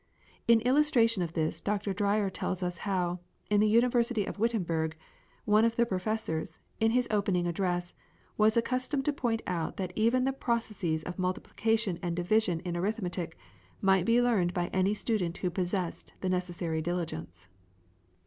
In illustration of this Dr. Dreyer tells us how, in the University of Wittenberg, one of the professors, in his opening address, was accustomed to point out that even the processes of multiplication and division in arithmetic might be learned by any student who possessed the necessary diligence.